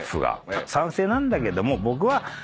賛成なんだけども。